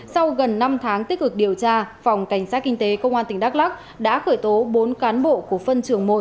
sau gần năm tháng tích cực điều tra phòng cảnh sát kinh tế công an tp hcm đã khởi tố bốn cán bộ của phân trường một